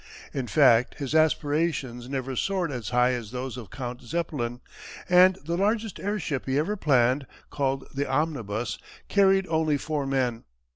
In fact his aspirations never soared as high as those of Count Zeppelin, and the largest airship he ever planned called "the Omnibus" carried only four men.